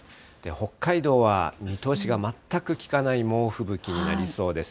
北海道は見通しが全く利かない猛吹雪になりそうです。